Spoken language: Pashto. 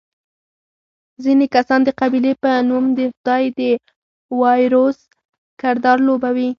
ځینې کسان د قبیلې په نوم د خدۍ د وایروس کردار لوبوي.